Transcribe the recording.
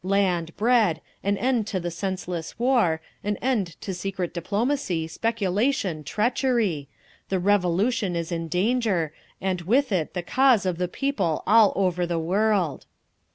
Land, bread, an end to the senseless war, an end to secret diplomacy, speculation, treachery…. The Revolution is in danger, and with it the cause of the people all over the world!"